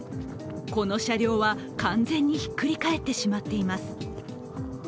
この車両は完全にひっくり返ってしまっています。